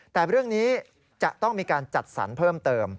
แต่เรื่องนี้จะต้องมีการจัดสรรเพิ่มเติม